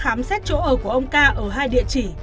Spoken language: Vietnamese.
khám xét chỗ ở của ông ca ở hai địa chỉ